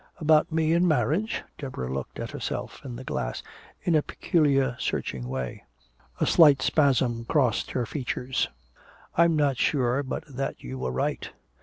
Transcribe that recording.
"About me and marriage?" Deborah looked at herself in the glass in a peculiar searching way. A slight spasm crossed her features. "I'm not sure but that you were right.